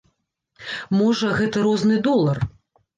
Можа, гэта розны долар.